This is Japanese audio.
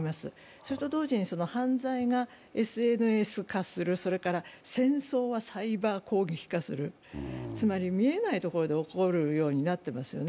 それと同時に犯罪がＳＮＳ化する、戦争はサイバー攻撃化するつまり見えないところで起こるようになっていますよね。